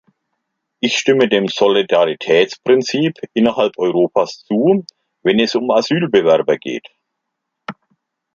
Ich stimme dem Solidaritätsprinzip innerhalb Europas zu, wenn es um Asylbewerber geht.